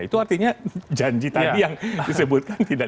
itu artinya janji tadi yang disebutkan tidak